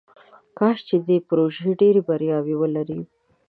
کاش چې دې پروژې ډیرې بریاوې ولري.